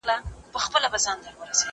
ده هم وركړل انعامونه د ټگانو